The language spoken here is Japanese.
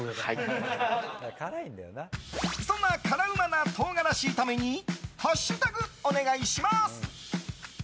そんな辛うまな唐辛子炒めにハッシュタグ、お願いします。